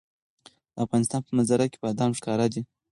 د افغانستان په منظره کې بادام ښکاره ده.